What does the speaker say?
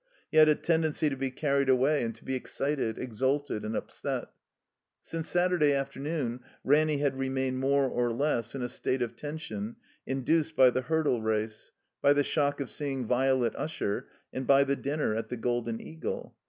He had a tendency to be carried away and to be excited, exalted, and upset. Since Sattu*day afternoon Ranny had remained more or less in a state of tension induced by the hurdle race» by the shock of seeing Violet Usher, and by the din ner at the *' Golden Eagle."